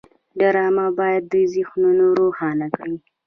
ډرامه باید ذهنونه روښانه کړي